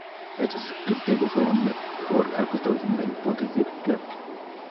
Estos criterios fueron mejor acotados en la hipótesis de Clarke.